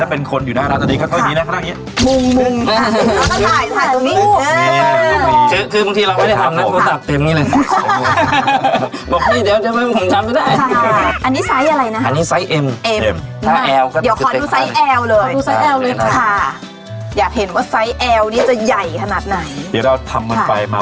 ถ้าเป็นคนอยู่หน้านั้นตอนนี้ก็เท่านี้นะ